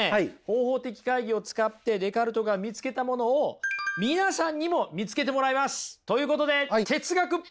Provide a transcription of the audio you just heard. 方法的懐疑を使ってデカルトが見つけたものを皆さんにも見つけてもらいます！ということで哲学プラクティス！